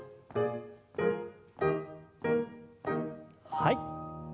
はい。